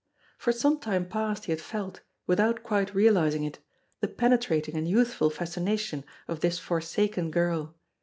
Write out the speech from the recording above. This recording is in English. For some time past he had felt, without quite realizing it, the penetrating and youthful fascination of this forsaken girl.